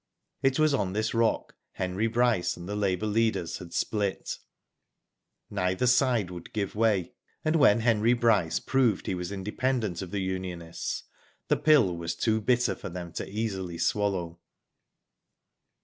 It was on ,this rock Henry Bryce and the labour leaders had split. Neither side would give way, and when Henry Bryce proved he was inde pendent of the unionists, the pill was too bitter for thern to easily swallow.